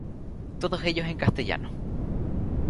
Todos ellos en castellano.